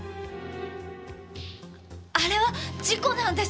あれは事故なんです！